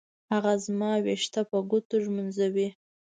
هغه زما ويښته په ګوتو ږمنځوي.